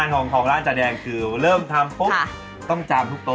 คงเริ่มทำต้องจามทุกโต๊ะ